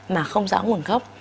mà không rõ nguồn gốc